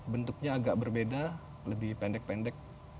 bentuknya agak berbeda lebih pendek pendek